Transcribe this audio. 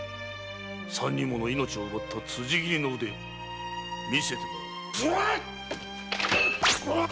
三人もの命を奪った辻斬りの腕見せてもらおう。